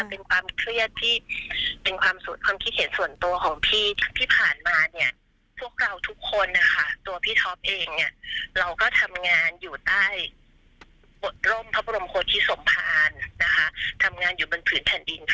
เพราะพี่ท็อปไม่เคยเข้าไปยุ่งเกี่ยวกับการเมือง